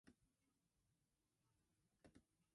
She was born in Idaho Falls, Idaho.